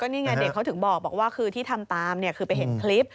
นี่ไงเด็กเขาถึงบอกว่าคือที่ทำตามคือไปเห็นคลิป